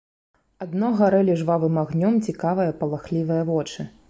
Адно гарэлі жвавым агнём цікавыя палахлівыя вочы.